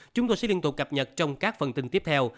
chúng tôi sẽ liên tục cập nhật trong các phần tin tiếp theo